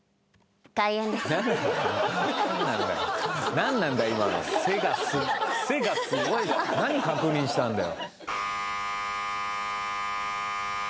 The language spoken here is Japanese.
何確認したんだよ。